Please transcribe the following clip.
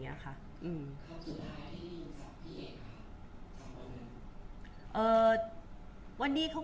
คุณผู้ถามเป็นความขอบคุณค่ะ